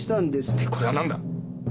一体これは何だ！